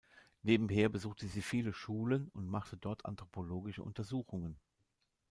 Nebenher besuchte sie viele Schulen und machte dort anthropologische Untersuchungen.